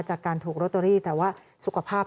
จากการถูกโรตเตอรี่แต่ว่าสุขภาพ